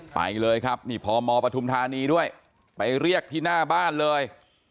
ไปเลยครับนี่พมปฐุมธานีด้วยไปเรียกที่หน้าบ้านเลย